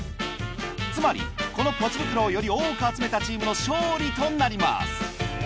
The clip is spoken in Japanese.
つまりこのポチ袋をより多く集めたチームの勝利となります。